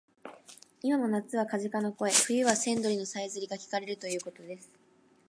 いまも夏はカジカの声、冬は千鳥のさえずりがきかれるということです